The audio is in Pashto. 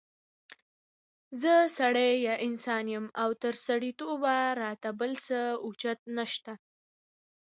زه سړی یا انسان يم او تر سړیتوبه را ته بل څه اوچت نشته